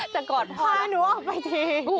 จะกอดพ่อพาหนูออกไปที